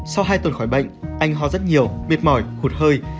sau hai tuần khỏi bệnh anh ho rất nhiều mệt mỏi hụt hơi